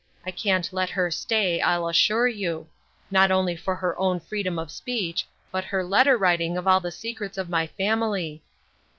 I can't let her stay, I'll assure you; not only for her own freedom of speech, but her letter writing of all the secrets of my family.